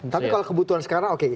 tapi kalau kebutuhan sekarang oke